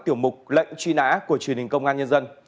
tạm điều kiện công an